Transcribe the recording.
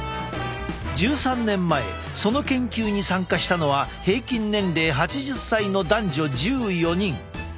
１３年前その研究に参加したのは平均年齢８０歳の男女１４人。